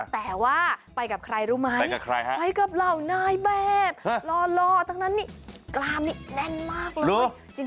แต่ว่าไปกับใครรู้ไหมไปกับเหล่านายแบบล่อทั้งนั้นนี่กล้ามนี่แน่นมากเลย